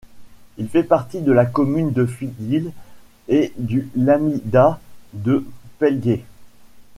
Il fait partie de la commune de Figuil et du lamidat de Pelgué.